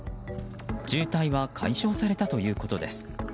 渋滞は解消されたということです。